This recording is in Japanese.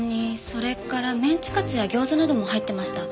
それからメンチカツや餃子なども入ってました。